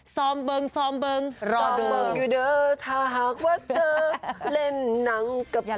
สอมเบิร์งสอมเบิร์งสอมเบิร์งอยู่เด้อถ้าหากว่าเธอเล่นนังกับเขา